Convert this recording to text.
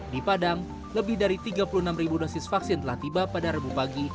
di padang lebih dari tiga puluh enam ribu dosis vaksin telah tiba pada rebuh pagi